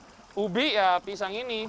kalau ubi ya pisang ini